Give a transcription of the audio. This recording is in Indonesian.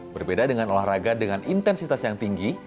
berbeda dengan olahraga dengan intensitas yang tinggi